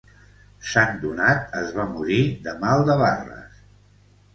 Sant Donat es va morir de mal de barres.